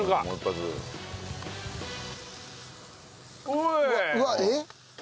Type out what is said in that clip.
うわえっ？